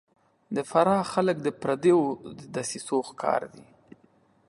د فراه خلک د پردیو دسیسو ښکار دي